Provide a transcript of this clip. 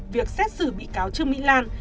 việc xét xử bị cáo trương mỹ lan